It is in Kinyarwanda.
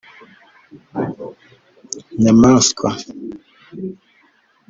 Nyamanswa